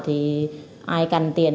thì ai cần tiền